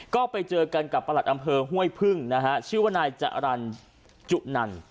ก็ไปเจอกันกับประหลัดอำเภอห้วยพึ่งนะฮะชื่อว่านายจรรย์จุนัน